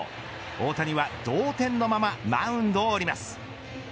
大谷は同点のままマウンドを降ります。